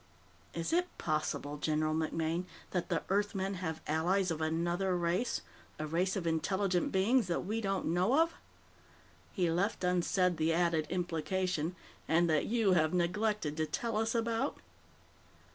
Is it possible, General MacMaine, that the Earthmen have allies of another race, a race of intelligent beings that we don't know of?" He left unsaid the added implication: "_And that you have neglected to tell us about?